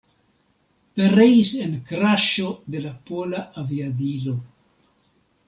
Pereis en kraŝo de la pola aviadilo.